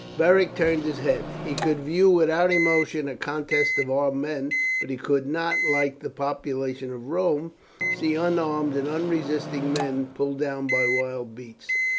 Beric turned his head. He could view without emotion a contest of armed men, but he could not, like the population of Rome, see unarmed and unresisting men pulled down by wild beasts.